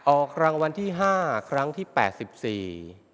ออกรางวัลที่ห้าครั้งที่แปดสิบสี่